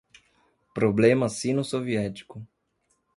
problema sino-soviético